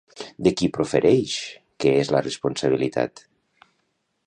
De qui profereix que és la responsabilitat?